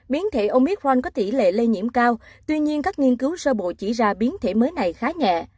biến thể omit frank có tỷ lệ lây nhiễm cao tuy nhiên các nghiên cứu sơ bộ chỉ ra biến thể mới này khá nhẹ